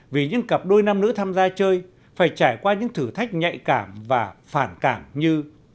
vì những cặp đôi nam nữ tham gia chơi phải trải qua những thử thách nhạy cảm và phản cảm như